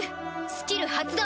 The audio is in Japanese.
スキル発動！